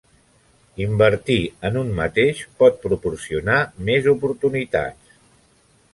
Invertir en un mateix por proporcionar més oportunitats.